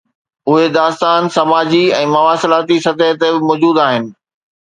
اهي داستان سماجي ۽ مواصلاتي سطح تي به موجود آهن.